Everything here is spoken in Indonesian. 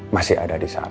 masih ada disana